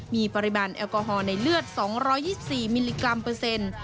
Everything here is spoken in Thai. มีปริมาณแอลกอฮอลในเลือด๒๒๔มิลลิกรัมเปอร์เซ็นต์